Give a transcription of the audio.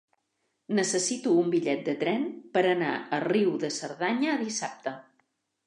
Necessito un bitllet de tren per anar a Riu de Cerdanya dissabte.